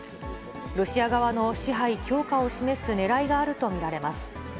ロシア側の支配強化を示すねらいがあると見られます。